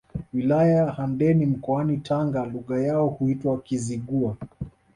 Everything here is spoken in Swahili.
Wilaya ya Handeni mkoani Tanga Lugha yao huitwa Kizigua